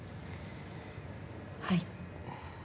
はい。